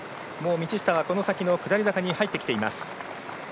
道下は、この先の下り坂に入ってきています。